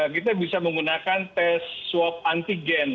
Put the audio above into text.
kita bisa menggunakan tes swab antigen